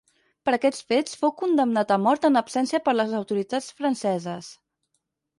Per aquests fets fou condemnat a mort en absència per les autoritats franceses.